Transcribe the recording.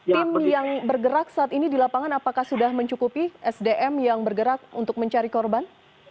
tim yang bergerak saat ini di lapangan apakah sudah mencukupi sdm yang bergerak untuk mencari korban